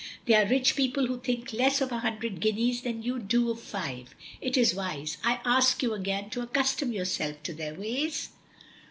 They are rich people who think less of a hundred guineas than you do of five. Is it wise, I ask you again to accustom yourself to their ways?"